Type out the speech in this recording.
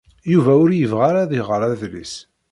Yuba ur yebɣi ara ad iɣer adlis.